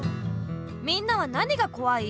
みんなはなにがこわい？